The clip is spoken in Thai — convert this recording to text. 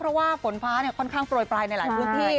เพราะว่าฝนฟ้าค่อนข้างโปรยปลายในหลายพื้นที่